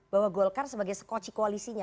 bahwa golkar sebagai skoci koalisinya